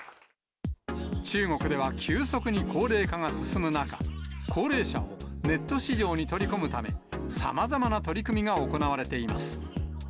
中国では急速に高齢化が進む中、高齢者をネット市場に取り込むため、さまざまな取り組みが行われています。